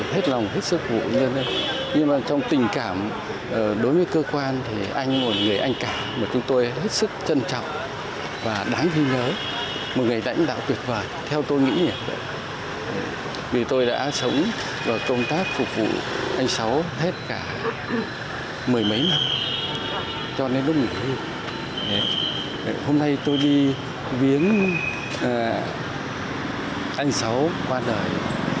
hôm nay tôi đi viếng anh sáu qua đời